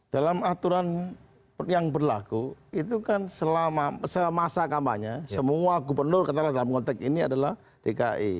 dalam aturan yang berlaku itu kan selama semasa kampanye semua gubernur katakanlah dalam konteks ini adalah dki